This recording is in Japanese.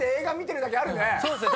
そうっすね。